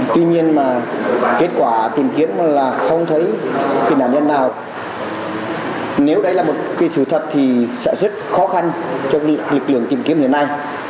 tuy nhiên mà kết quả tìm kiếm là không thấy tìm nàn nhân nào nếu đấy là một sự thật thì sẽ rất khó khăn cho lực lượng tìm kiếm hiện nay